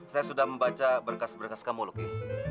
saya sudah membaca berkas berkas kamu luki